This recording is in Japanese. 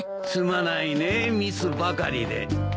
すまないねミスばかりで。